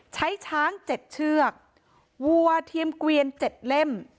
ใช้ช้างเจ็ดเชือกวัวเทียมเกวียนเจ็ดเล่ม